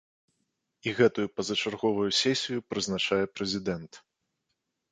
І гэтую пазачарговую сесію прызначае прэзідэнт.